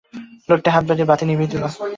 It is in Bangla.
লোকটি হাত বাড়িয়ে বাতি নিভিয়ে দিল।